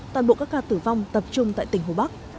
toàn bộ các ca tử vong tập trung tại tỉnh hồ bắc